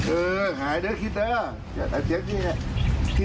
เออหายด้วยคิดึคะ